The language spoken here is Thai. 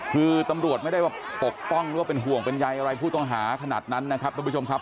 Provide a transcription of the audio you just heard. คือตำรวจไม่ได้ว่าปกป้องหรือว่าเป็นห่วงเป็นใยอะไรผู้ต้องหาขนาดนั้นนะครับทุกผู้ชมครับ